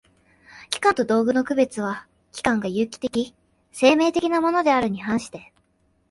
器官と道具との区別は、器官が有機的（生命的）なものであるに反して